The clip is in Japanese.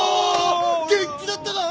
元気だったか？